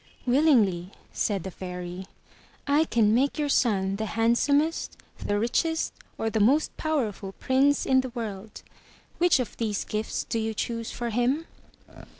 *' "Willingly,'' said the Fairy. *'I can make your son the Handsomest, the Richest or the most Powerful Prince in the world. Which of these gifts do you choose for him?"